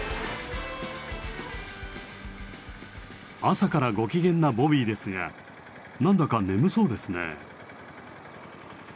朝からご機嫌なボビーですが何だか眠そうですね。